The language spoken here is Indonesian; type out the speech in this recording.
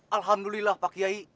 alhamdulillah pak kiai